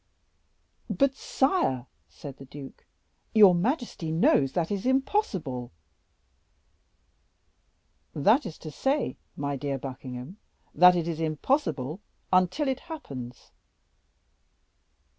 "But, sire," said the duke, "your majesty knows that it is impossible." "That is to say, my dear Buckingham, that it is impossible until it happens."